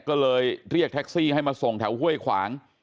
ก็เลยเรียกแท็กซี่ให้มาส่งแถวห้วยขวาง